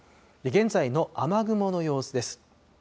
現在の雨雲の様子です。